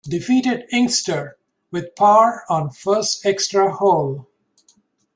Defeated Inkster with par on first extra hole.